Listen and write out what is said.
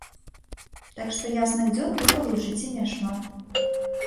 Так што ясных дзён выпала ў жыцці няшмат.